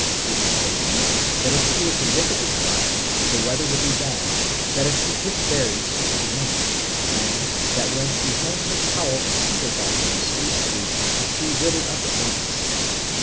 It was believed that if she were to look at the sky, the weather would be bad; that if she picked berries, it would rain; and that when she hung her towel of cedar bark on a spruce tree, the tree withered up at once.